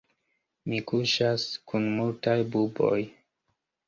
Mi kuŝas kun multaj buboj.